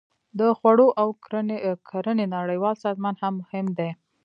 د خوړو او کرنې نړیوال سازمان هم مهم دی